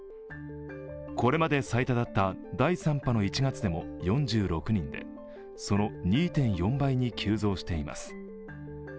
これまで最多だった第３波の１月でも４６人でその２．４倍に急増しています。